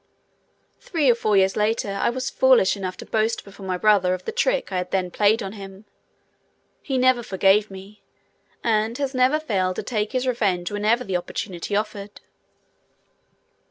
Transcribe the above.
Three or four years later I was foolish enough to boast before my brother of the trick I had then played on him; he never forgave me, and has never failed to take his revenge whenever the opportunity offered.